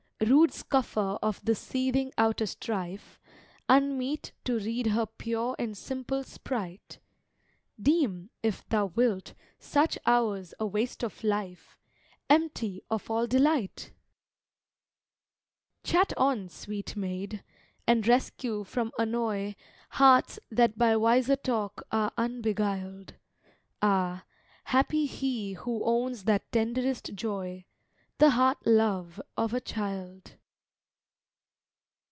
Rude scoffer of the seething outer strife, Unmeet to read her pure and simple spright, Deem, if thou wilt, such hours a waste of life, Empty of all delight! Chat on, sweet Maid, and rescue from annoy Hearts that by wiser talk are unbeguiled; Ah, happy he who owns that tenderest joy, The heart love of a child!